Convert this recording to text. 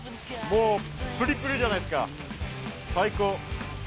もうプリップリじゃないですか最高。